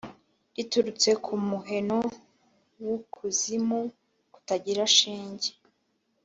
riturutse mu muheno w’Ukuzimu kutagira shinge,